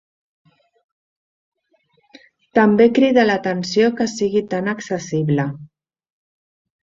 També crida l'atenció que sigui tant accessible.